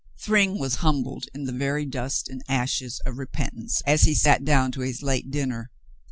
Thryng was humbled in the very dust and ashes of re pentance as he sat down to his late dinner.